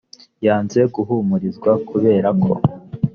yanze guhumurizwa kubera ko